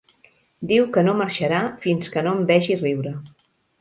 Diu que no marxarà fins que no em vegi riure.